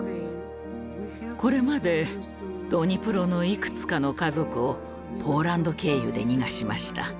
これまでドニプロのいくつかの家族をポーランド経由で逃がしました。